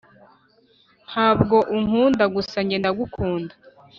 ntabwo unkunda gusa njye ndagukunda